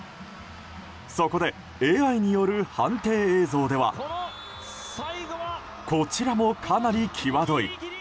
そこで、ＡＩによる判定映像ではこちらも、かなり際どい。